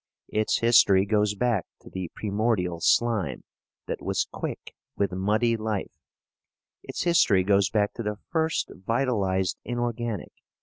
Its history goes back to the primordial slime that was quick with muddy life; its history goes back to the first vitalized inorganic.